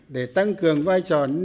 để tăng cường vai trò nêu gương